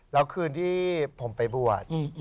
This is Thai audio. แล้วคืนที่ผมไปบวช